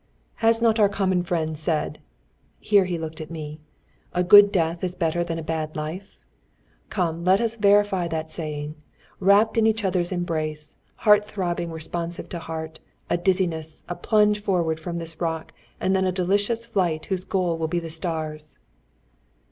Has not our common friend said (here he looked at me), 'A good death is better than a bad life'? Come, let us verify that saying: wrapped in each other's embrace, heart throbbing responsive to heart, a dizziness, a plunge forward from this rock, and then a delicious flight whose goal will be the stars!"